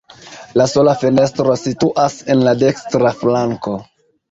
La sola fenestro situas en la dekstra flanko.